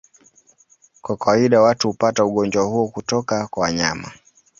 Kwa kawaida watu hupata ugonjwa huo kutoka kwa wanyama.